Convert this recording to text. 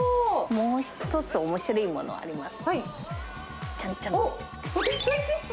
もう一つ、おもしろいものあります。